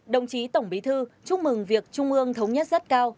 đồng chí tổng bí thư chúc mừng việc trung ương thống nhất rất cao